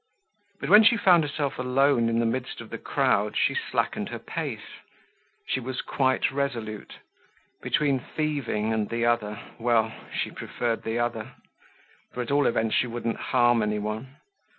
But when she found herself alone in the midst of the crowd, she slackened her pace. She was quite resolute. Between thieving and the other, well she preferred the other; for at all events she wouldn't harm any one.